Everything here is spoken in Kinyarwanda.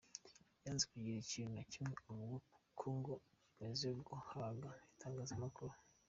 Yanze kugira ikintu na kimwe avuga kuko ngo ’amaze guhaga itangazamakuru’.